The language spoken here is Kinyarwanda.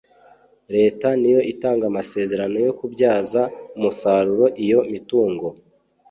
leta niyo itanga amasezerano yo kubyaza umusaruro iyo mitungo